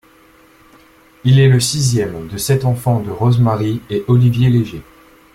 Il est le sixième de sept enfants de Rose-Marie et Olivier Léger.